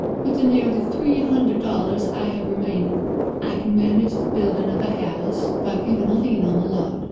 With the nearly three hundred dollars I have remaining I can manage the building of a house, by giving a lien on the lot.